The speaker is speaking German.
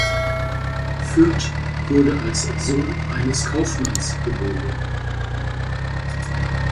Fürth wurde als Sohn eines Kaufmanns geboren.